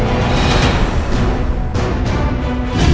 tidak ada apa apa